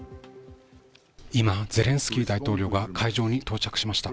今、ゼレンスキー大統領が会場に到着しました。